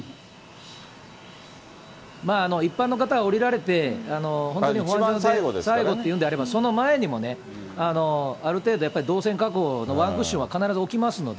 一般の方が降りられて、本当に最後っていうのであれば、その前にもね、ある程度、やっぱり動線確保のワンクッションは必ず置きますので。